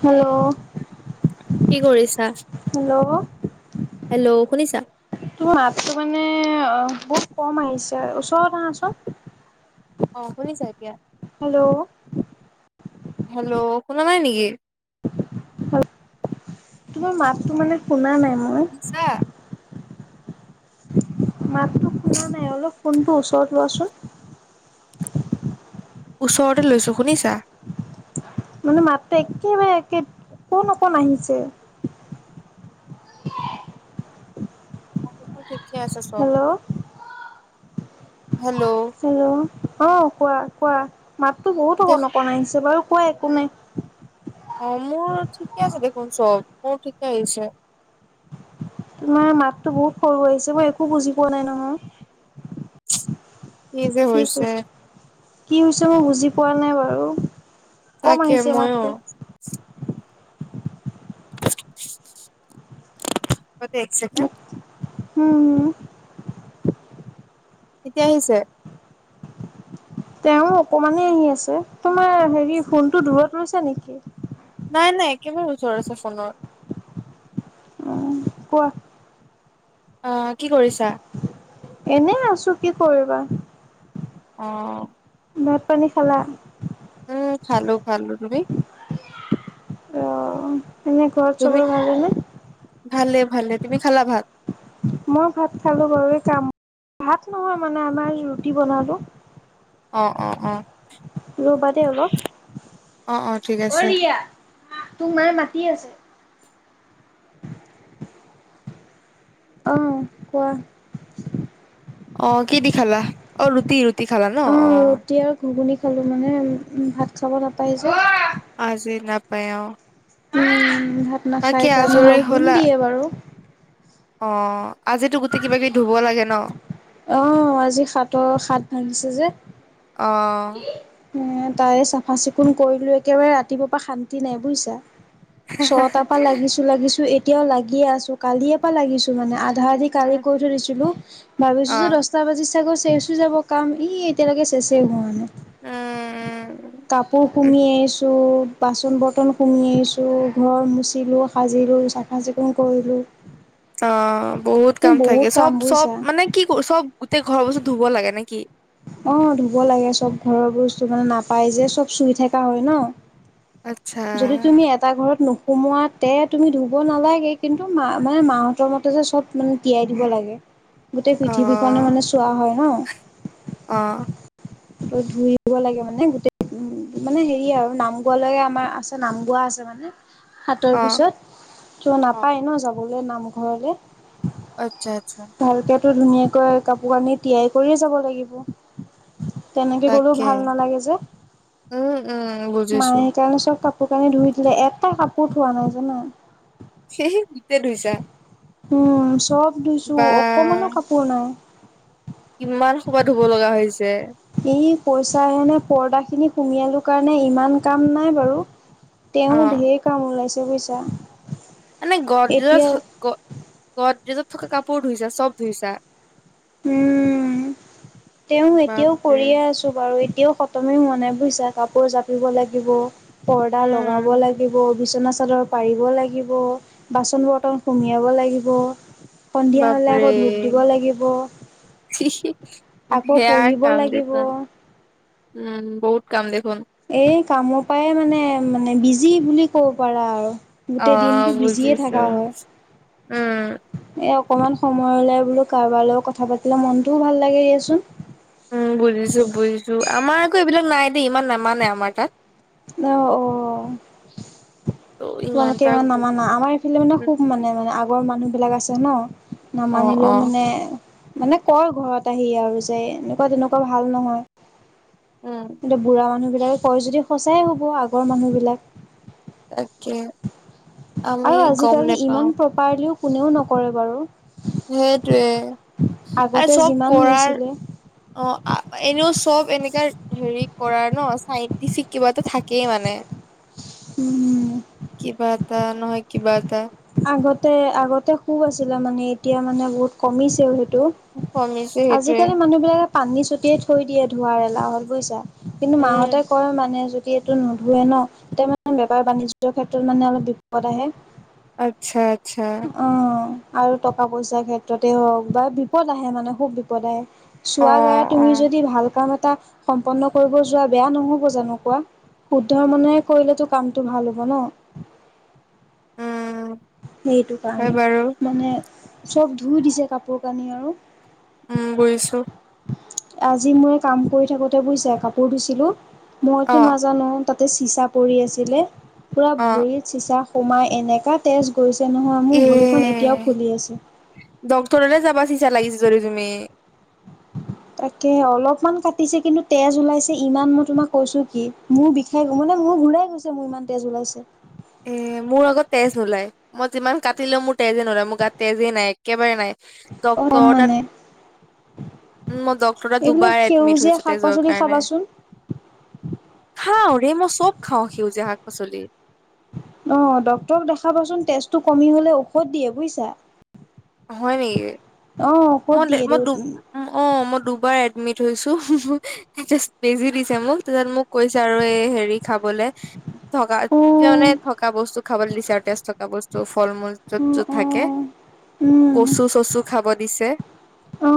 Hello কি কৰি আছা। হেল্ল' তোমাৰ মাতটো মানে অ। বহুত কম আহিছে ওচৰত আহাচোন। অ শুনিছা এতিয়া। হেল্ল' হেল্ল' শুনা নাই নেকি? তোমাৰ মাতো মানে শুনা নাই। মই শুনিছা। মাতটো শুনা নাই অলপ ফোনটো ওচৰত লোৱাচোন। ওচৰতে লৈছোঁ শুনিছা। মানে মাতটো একেবাৰে একে অকণ অকণ আহিছে। [inaudible] অ দে হেল্ল' হেল্ল' হেল্ল' অ কোৱা। কোৱা মাততো বহুত এতিয়া অকণ অকণ আহিছে বাৰু কোৱা একো নাই। অ মোৰ ঠিকে আছে দেখোন চব মোৰ ঠিকে আহিছে। তোমাৰ মাততো বহুত সৰু আহিছে মই একো বুজি পোৱা নাই নহয়। কি যে হৈছে? কি হৈছে মই বুজি পোৱা নাই বাৰু কম তাকে আহিছে মইও মাতটো। ৰ'বা দেই এক ছেকেণ্ড। হম হম। এতিয়া আহিছে। তেওঁ অকমানে আহি আছে। তোমাৰ হেৰি ফোনটো দূৰত লৈছা নেকি? নাই নাই একেবাৰে ওচৰ আছে ফোনৰ। অহ কোৱা। আ কি কৰিছা। এনে আছো কি কৰিবা। অ ভাত-পানী খালা। উম খালো খালো তুমি। অ এনে ঘৰত তুমি চবৰে ভালেনে। ভালে ভালে তুমি খালা ভাত। মই ভাত খালোঁ বাৰু [unintelligible] ভাত নহয় মানে আমাৰ ৰুটি বনালোঁ অ'অ'অ। ঐ ৰিয়া তোক মায়ে মাতি আছে। অ কোৱা। অ কিদি খালা অ ৰুটি ৰুটি খালা ন অ। খালোঁ মানে ভাত খাব নাপায় যে। আজি নাপায় অ। উম ভাত বাকী নাখাই কাৰণে আজৰি লঘোণ হলা দিয়ে বাৰু। অ আজিতো গোটেই কিবা কিবি ধুব লাগে ন অহ আজি সাতৰ সাত ভাঙিছে যে। অ তাৰে চাফা চিকুণ কৰিলো। একেবাৰে ৰাতিপুৱাৰপা শান্তি নাই বুজিছা। ছটাৰ পৰা লাগিছো লাগিছো এতিয়াও লাগিয়ে আছো কালি এ পৰা লাগিছো মানে আ ধাৰদি কালি কৈ থৈ দিছিলো ভাবিছো অ যে দছটা বাজি চাগৈ। যাব কাম ই এতিয়ালৈকে চেছে হোৱানাই। উম কাপোৰ সুমি আহিছো। বাচন বৰ্তন সুমি আহিছোঁ। ঘৰ মুচিলোঁ, সাজিলোঁ, চাফা চিকুণ কৰিলোঁ। অ বহুত কাম থাকে চব চব বুজিছা। মানে কি চব গোটে। ঘৰৰ বস্তু ধুব লাগে নেকি অ ধুব লাগে চব ঘৰৰ বস্তু মানে নাপায়। যে চব চুই থকা হয় আচ্ছা ন। যদি তুমি এটা ঘৰত নুখ সোমোৱাতে তুমি ধুব নালাগে। কিন্তু মা মানে মাহঁতৰ মতে যে সব মানে তিয়াই দিব লাগে। গোটেই অ পৃথিৱীখনে মানে চুৱা হয় ন। আহ। ধুৰিব লাগে মানে গোটেই উম মানে হেৰি আৰু নাম গোৱা লৈকে আমাৰ আছে নাম গোৱা আছে। হাতৰ অ পিছত ত নাপায় ন যাবলৈ নামঘৰলে। আচ্ছা আচ্ছা। টো ধুনীয়াকৈ কাপোৰ কানি তিয়াই কৰিয়ে যাব লাগিব। তেনেকে গলেও তাকে ভাল নালাগে, যে উম উম বুজিছো মায়ে কাৰণে চব। কাপোৰ কানি ধুই দিলে এটা কাপোৰ ধোৱা নাই জানা। সেহি গোটেই ধুইছা। উম চব ধুইছো বা অকমানো কাপোৰ নাই। কিমান সোবা ধুব লগা হৈছে। এই পইচা হেনে পৰ্দা খিনি সুমিয়ালো কাৰণে ইমান কাম নাই বাৰু অ তেওঁৰ ঢেৰ কাম ওলাইছে বুজিছা। মানে গডৰেজত গ গডৰেজত থকা কাপোৰ ধুইছা চব ধুইছা। উম। তেওঁ এতিয়াও বাপৰে কৰিয়ে আছো বাৰু। এতিয়াও খতমে হোৱা নাই বুজিছা। কাপোৰ জাপিব লাগিব পৰ্দা লগাব উম লাগিব। বিচনা চাদৰ পাৰিব লাগিব বাচন বৰ্তন সুমিয়াব লাগিব। সন্ধিয়া হলে বাপৰে আকৌ ধূপ দিব লাগিব আকৌ বেয়া পঢ়িব কাম লাগিব। দেচোন উম বহুত কাম দেখোন এই কামৰ পৰাই মানে মানে বিজি বুলি ক'ব পাৰা আৰু অ গোটেই দিনটো বিজিয়ে বুজিছো থকা উম হয় অকণমান সময় লাই বোলো কাৰোবাৰ লগত কথা পাতিলে মনটোও ভাল লাগে দিয়াচোন উম বুজিছো বুজিছো আমাৰ আকৌ এইবিলাক নাই দেই ইমান নামানে আমাৰ তাত অ অ ত তোমালোকে তাৰ ইমান নামাা আমাৰ এইফালে মানে উম খুব মানে মানে লগগৰ মানুহবিলাক আছে ন অ নামানিলেও অ মানে মানে কয় ঘৰত আহি আৰু যে এনেকুৱা তেনেকুৱা ভাল নহয় উম এন্তয়া বুঢ়া মানুহ বিলাকে কয় যদি সঁচাই হ'ব আগৰ মানুহ বিলাক তাকে আমি আৰু গম আজিকালি নেপাও ইমান প্ৰপাৰলিও কোনেও নকৰে বাৰু। সেইটোৱে আৰু আগতে চব যিমান কৰাৰ হৈছিলে অ এনে শক এনেকাা হেৰি কৰাৰ ন চাইটিফিক কিবাতটো থাকেই মানে উম হম কিবা এটা নহয় কিবা এটা আগতে আগতে খুব আছিলে মানে এতিয়া মানে বহুত কমিছে হ কমিছে সেইটোৱে আজিকালি মানুহ বিিলাক পানী ছটিয়াই থৈ দিয়ে ধোঁৱাৰ এলাহত বুজিছা কিন্তু উম মাহঁতে কয় মানে এইটো নোধুৱে ন ততিয়া মানে বেপাৰ বাণিজ্য়ৰ ক্ষেত্ৰত মানে অলপ বিপদ আহে আচ্ছা আচ্ছা অ আৰু টকা পইচাৰ ক্ষেত্ৰতেই হওক বা বিপদ আহে মানে খুব বিপদ আহে অ চোৱাৰ গাৰ অ তুমি যদি ভাল কাম এটা সম্পন্ন কৰিব যোৱা বেয়া নহব জানো কোৱা শুদ্ধ মনেৰে কৰিলেতো কামটো ভাল হ'ব ন উম সেইটো হয় কাৰণে বাৰু মানে চব ধুই দিছে কাপোৰ কানি আৰু। উম গৈিছো আজি মই কাম কৰি থাকোঁতে বুজিছে কাপোৰ ধছিলো অ মইতো নাজানো তাতে চিচা পৰি আছিলে পুৰা অ ভৰিত চিচা সোমাই এনেকা তেজ গৈছিল। নহয় মোৰ এ ঘড়ীখন এতিয়াও ফুলি আছে ডক্তৰলে যাবা চিচা লাগিছে যদি তুমি- তাকে অলপমান কাটিছে কিন্তু তেজ ওলাইছে ইমান মই তোমাক কৈছো কি মোৰ বিষাই মানে মোৰ মোৰ ঘওলাই গৈছে মোৰ ইমান তেজ ওলাইছে উ মোৰ আগত তেজ নোলাই মই যিমান কাটিলেও মোৰ তেজে নোলাই মোৰ গাত তেজে নাই একেবাৰেেই নাই ত ত কম অডাৰ মানে মই ড্ক্তৰটা এইবিলাক দুবাৰ এডমিট সেউজীয়া হৈছো শাক তেজৰ পাচলি কাৰণে খাবাচোন খাওঁৰে মই চব খাওঁ সেউজীয়া শাক পাচলি অ ড্ক্তৰক দেখাবাচোন তেজটো কমি হলে ঔষধ দিয়ে বুজিছা হয় নেকি অ ঔষধ মই দিয়ে মই দেউ অ মই দুবাৰ মি থৈছোা বেজি দিছে মোক তাৰপিছত মোক কৈছে আৰু এই হেৰি খাবলে থকা অ কিয়নেে থকা বস্তু খাবলৈ লিচাৰটেজ থকা বস্তু ফল মূল অ যত অ থাকে উম কচু চচু খাব দিছে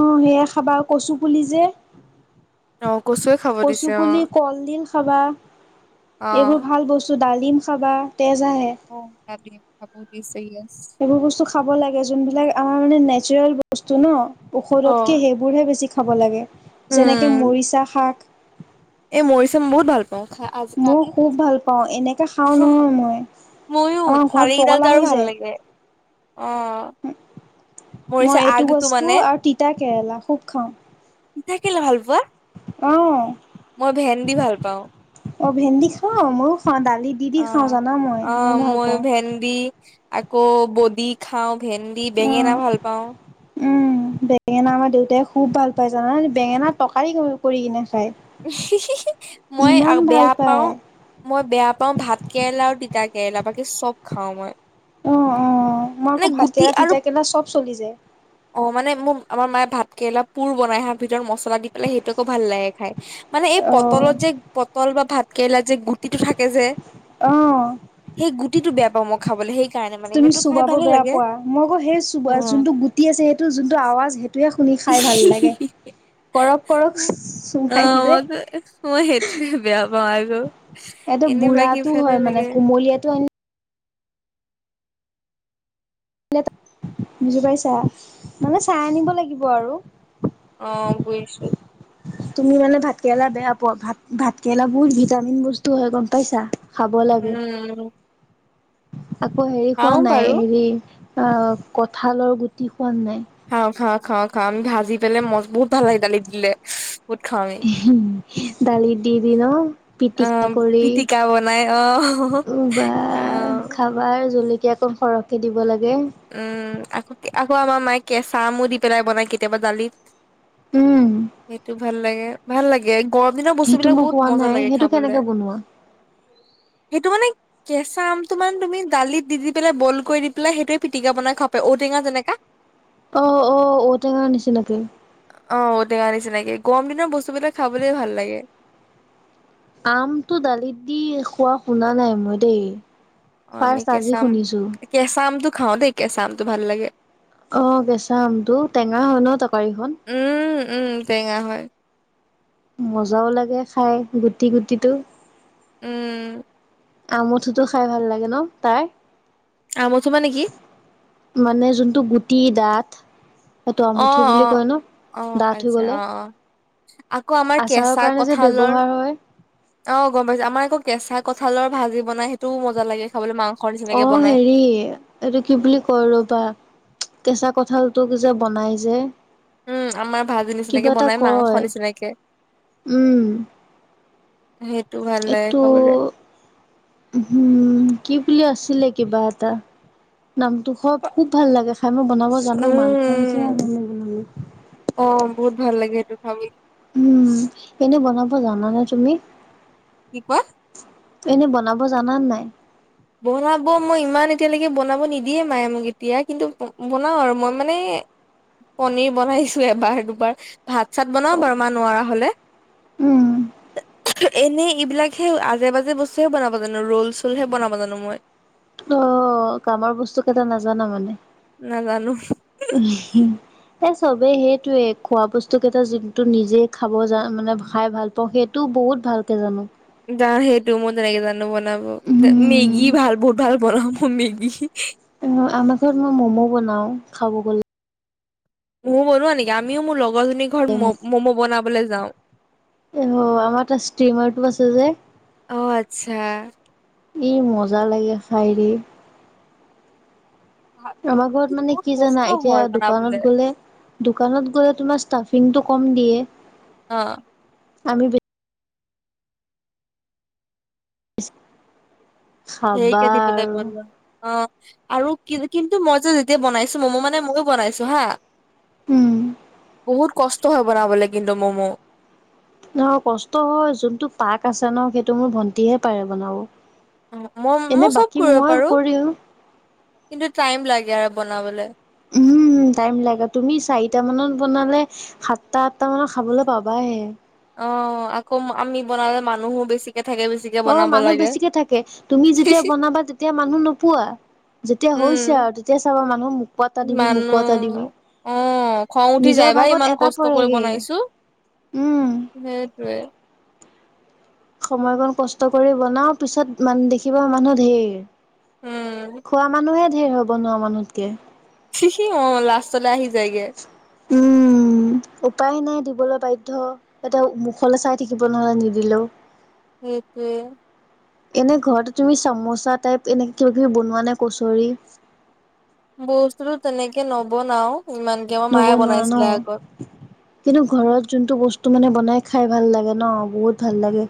অ সেয়া খাবা কচু পুলি যে অ কচুৱে খাব কচু দিছে অ পুলি, কলডিল, খাবা অ এইবোৰ ভাল বস্তু ডালিম খাবা। তেজ আহে আবুজি চিে [unintelligible] ে নেচাৰেল বস্তু ন অ ঔষধতকে সেইবোৰহে বেছি খাব লাগে যেনেকে মৰিচা শাক এ মৰিছে ম বহুত ভাল পাওঁ আজি মই কালি খুব ভাল পাওঁ এনেকে খাওঁ নহয় মই ময়ো আমাৰ ঘৰত পগলা শাৰিডালটো আৰু হৈ ভাল যায়। লাগে অ মৰিচা মই এইটো আগটো বস্তু মানে আৰু তিতা কেৰেলা খুব খাওওঁ থাকিলে ভাল বোৱা অঁ মই ভেন দি ভাল পাওঁ অ ভেন্দি খাওঁ ময়ো খাওঁ দালি দি দি খাওঁ অ', জানা মই মই অ', ভাল পাওঁ ভেন্দি আকৌ বডি খাওঁ ভেন্দি বেঙেনা অ'। ভাল পাওঁ বেঙেনা আমাৰ দেউতাই খুব ভাল পায় জানান বেঙেনা তটকাৰী কৰি কিনে খায়। মই ইমান ভাল বেয়া পাও পায় মই বেয়া পাও ভাত কেৰেলা আৰু তিতাক সেলাাপাকে চব খাও মই [unintelligible] অ অ মই মানে আকৌ ভাত গুটি কেৰেলা আৰু তিতা কেৰেলা চব চলি যায় অ মানে মোৰ আমাৰ মায়ে ভাতকে অলপ পোৰ বনাই আহা ভিতৰত মছলা দি পেলাই সেইটোকো ভাল লাগে খাই মানে এই অ', পটলত যে পটল বা ভাত কেৰেলা যে গুটিটো থাকে যে অ', সেই গুটিটো বেয়া পাওঁ মই খাবলৈ সেই তুমি চোবাব বেয়া পোৱা মই কৌ সেই চবা অ', যোনটো গুটি আছে সেইটো যোনটো আৱাজ সেইটোৱে শুনি খাই ভাল লাগে কৰক কৰক অ', চোমাই যে মইতো মই সেইটোয়ে বেয়া পাওঁ আৰু এইটো এনে বাকী বুঢ়াতটো ভালে হয় মানে লাগে। কুমলীয়াটো এনে বুজি পাইছা মানে চাই আনিব লাগিব আৰু অ বুজছো তুমি মানে ভাতকেৰেলা বেয়া পোৱা ভাত ভাতকেৰেলা বহুত ভিটামিন বস্তু হয় গম পাইছা খাব লাগে উম আকৌ হেৰি খোৱা খাওঁ বাৰু নাই হেৰি কঁঠালৰ গুটি খোৱা নাই খাওঁ খাওঁ খাওঁ আমি ভাজি পেলাই মজ বহুত ভাল লাগে দালি দিলে বহুত খাওঁ আমি দালিত দি দি ন পিটিকা অ', কৰি পিটিকা বনাই অ', উবা খাওঁ। খাবা জলকীয়া অকম সৰহকে দিব লাগে উম আকৌ আকৌ আমাৰ মায়ে কেঁচা আমো দি পেলাই বনাই কেতিয়াবা দালিত উম সেইটো ভাল লাগে ভাল লাগে গৰম দিনৰ সেইটো বস্তুবিলাক মই বহুত খোৱা মজা নাই লাগে সেইটো খাবলৈ কেনেকে বনোৱা সেইটো মানে কেঁচা আমটো মান তুমি দালিত দি দি পেলাই বইল কৰি দি পেলাই সেইটোৱে পিটিকা বনাই খাব পায় ঔটেঙা যেনেককা অ অ ঔটেঙাৰ নিচিনাকে অ তে কাৰানি চিনাকি [unintelligible] কম দিনৰ বস্তুবিলাক খাবলৈ ভাল লাগে আমটো দালিত দি খোৱা শুনা নাই মই দেই অ আমি ফাৰ্ষ্ট আজি কেঁচা আম শুনিছো কেঁচা আমটো খাও দেই কেঁচা আমটো ভাল লাগে অ কেঁচা আমটো টেঙা হয় ন তৰকাৰীখন উম উম টেঙা হয় মজাও লাগে খাই গুটি গুটিটো উম আমুঠটো খাই ভাল লাগে ন তাই আমচুমা নেকি [unintelligible] মানে যোনটো গুটি দাঁত এইেইটো অ আমুঠু বুলি অ কয় ন অ ডাঠই আচ্ছা গলে অ অ আকৌ আমাৰ আচাৰৰ কেঁচা কাৰণে যে কঠালৰ ব্যৱহাৰ হয় অ গম পাইছো আমাৰ আকৌ কেঁচা কঁঠালৰ ভাজি বনাই সেইটোও মজা লাগে খাবলৈ মাংস অ', হেৰি এইটো কি বুলি কয় ৰ'বা কেঁচা কঠাল। তোক যে বনাই যে। উম আমাৰ ভাজি নিচিনাকে কিবা এটা বনাই মাংস কয়। নিচিনাকে উম, সেইটো ভাল লাগে এইটো খাবলে হম, কি বুলি আছে? ছিলে কিবা এটা নামটো সব খুব ভাল লাগে। খাই মই বনাব জানো উম মাংস নি হৈছে উম বনালো। অ বহুত ভাল লাগে সেইটো ভাব উম এনে বনাব জানানে তুমি কি কোৱা? এনেই বনাব জানা ন নাই? বনাব মই ইমান এতিয়ালৈকে বনাব নিদিয়ে মায়ে মোক এতিয়া কিন্তু বনাওঁ আৰু মই মানে। পনীৰ বনাইছো এবাৰ দুবাৰ ভাত চাত বনাও বাৰু মা নোৱাৰা হ'লে। উম। এনেই এইবিলাক হে আজে বাজে বস্তুৱও বনাব জানো ৰল চলহে বনাব জানো অনু সময় [unintelligible] অ', কামৰ বস্তু কেইটা নাজানা মানে। নাজানো। এ চবেই সেইটোয়ে খোৱা বস্তু কেইটা যোনটো নিজে খাব যা মানে খাই ভাল পাওঁ সেই তো বহুত ভালকে জানো। য সেইটো মই তেনেকে জানো বনাব মেগী ভাল বহুত ভাল বনাম। মেগী আমাৰ ঘৰত মই ম'ম' বনাও খাব গ'লে। ময়ো বনোৱা নেকি আমিও মোৰ লগৰজনীৰ ঘৰত ম ম'ম' বনাবলৈ যাওঁ। এ আমাৰ তাত ষ্টিমাৰ টো আছে যে। অ', আচ্ছা। ই মজা লাগে চাইৰি। আমাৰ ঘৰত কিন্তু মানে বহুত কি কষ্ট জানা এতিয়া হয় বনাবলে দোকানত গ'লে দোকানত গ'লে তোমাৰ কম দিয়ে। অ'। আমি। আস সেইকে দিবপা তাই বনা অ'। আৰু কি কিন্তু মই যে যেতিয়া বনাইছো মম' মানে ময়ো বনাইছো হা উম। বহুত কষ্ট হয় বনাবলৈ কিন্তু ম'ম' ন', কষ্ট হয় যোনটো পাক আছে ন' সেইটো মোৰ ভন্টিহে পাৰে মই বনাব। মই এনে চব বাকী কৰিব মই পাৰো কৰিলো। কিন্তু টাইম লাগে আৰু বনাবলৈ। উমম টাইম লাগে তুমি চাৰিটা মানত বনালে সাতটা আঠটা মানত খাবলৈ পাবাহে। অ', আকৌ আমি বনালে মানুহো বেছি। অ', মানুহ বেছিকে থাকে তুমি যেতিয়া বনাবা তেতিয়া মানুহ নোপোৱা। যেতিয়া উম হৈছে আৰু তেতিয়া চাব মানে মানুহ অ', খং উঠি নিজৰ যায় বাা ভাগত ইমান এটা কষ্ট কৰি পৰেগে বনাইছো। উম। সেইটোৱে। সময়কন কষ্ট কৰি বনাও পিছত মান দেখিবা মানুহ ঢেৰ। উম খোৱা মানুহে ঢেৰ হ'ব ন মানুহতকে। শি সি অ লাষ্টলৈ আহি যায়গে। উম উপায় নাই দিবলৈ বাধ্য এতিয়া মুখলৈ চাই থাকিব নহ'লে নিদিলেও। এইটোৱে। এনে ঘৰতে তুমি চামোচা টাইপ এনেে কিবা কিবি বনোৱা নাই কচৰি বস্তুটো তেনেকে নবনাও। ইমানকে আমাৰ ৰব মায়ে নোৱাৰা ন বনাইছিলে আগত কিন্তু ঘৰত যোনটো বস্তু মানে বনাই খাই ভাল লাগে ন বহুত ভাল লাগে